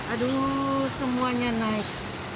aduh semuanya naik